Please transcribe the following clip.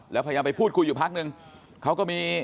แล้วพยายามไปพูดคุยอยู่พักนึงเขาก็มี